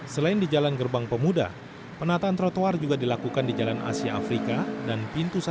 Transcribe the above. selain di jalan gerbang pemuda penataan trotoar juga dilakukan di jalan asia afrika dan pintu satu